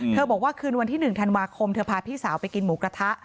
บอกว่าคืนวันที่๑ธันวาคมเธอพาพี่สาวไปกินหมูกระทะ